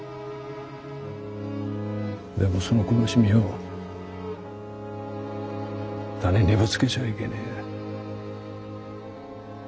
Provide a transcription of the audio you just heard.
でもその苦しみを他人にぶつけちゃいけねえ。